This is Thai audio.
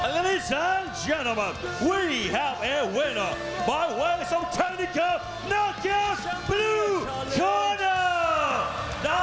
ทุกคนท่านทุกคนท่านเรามีหน้าต้องการของเทคลิกเกิร์ดนาวเกียร์สบลูลูคอร์ด่า